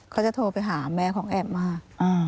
เขาจะโทรไปหาแม่ของแอมมาก